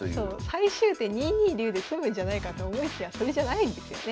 最終手２二竜で詰むんじゃないかと思いきやそれじゃないんですよね。